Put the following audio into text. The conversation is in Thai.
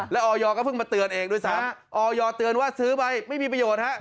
แล้วออยก็เพิ่งมาเตือนเองด้วยซ้ำออยเตือนว่าซื้อไปไม่มีประโยชน์ฮะ